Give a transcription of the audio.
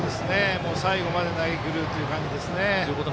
最後まで投げきる感じですね。